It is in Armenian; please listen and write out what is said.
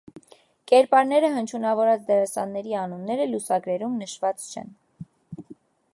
Կերպարները հնչյունավորած դերասանների անունները լուսագրերում նշված չեն։